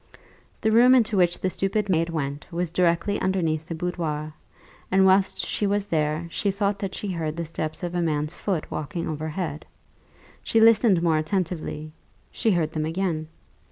The room into which the stupid maid went was directly underneath the boudoir; and whilst she was there she thought that she heard the steps of a man's foot walking over head. She listened more attentively she heard them again.